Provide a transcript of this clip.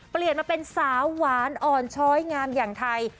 เปลี่ยนมาเป็นสาวหวานอ่อนช้อยงามอย่างไทย